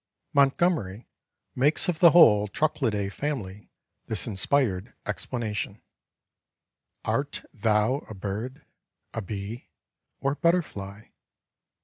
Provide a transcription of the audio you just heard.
Montgomery makes of the whole Trochilidæ family this inspired explanation: "Art thou a bird, a bee, or butterfly?